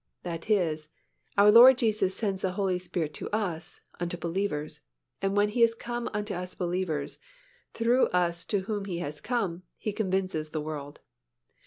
That is, our Lord Jesus sends the Holy Spirit unto us (unto believers), and when He is come unto us believers, through us to whom He has come, He convinces the world.